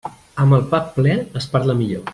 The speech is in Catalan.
Amb el pap ple es parla millor.